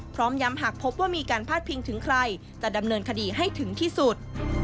พร้อมย้ำหากพบว่ามีการพาดพิงถึงใครจะดำเนินคดีให้ถึงที่สุด